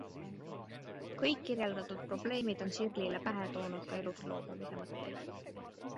Kõik kirjeldatud probleemid on Sirlile pähe toonud ka elust loobumise mõtteid.